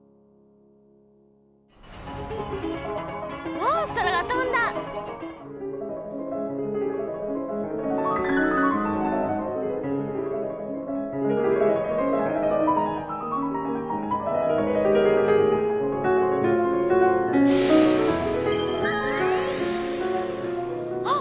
モンストロが飛んだ！あっ！